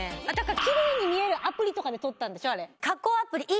キレイに見えるアプリとかで撮ったんでしょあれ？